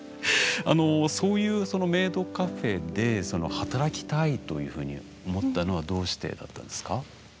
そういうメイドカフェで働きたいというふうに思ったのはどうしてだったんですか？